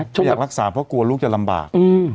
ไม่อยากรักษาเพราะกลัวลูกจะลำบาก